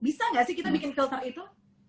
bisa nggak sih kita bikin filter itu